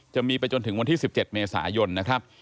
จะมีไปจนถึงวันที่๑๗เมษายนนะครับ